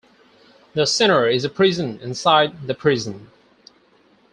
The centre is a prison inside the prison.